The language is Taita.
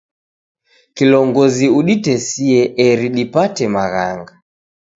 Kilongozi uditesie eri dipate maghanga.